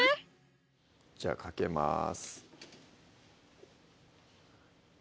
じゃあかけます